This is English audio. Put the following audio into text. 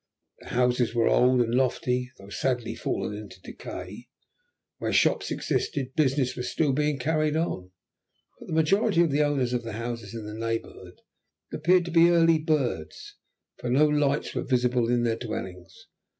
The houses were old and lofty, though sadly fallen to decay. Where shops existed business was still being carried on, but the majority of the owners of the houses in the neighbourhood appeared to be early birds, for no lights were visible in their dwellings.